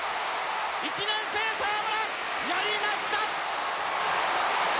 １年生沢村やりました！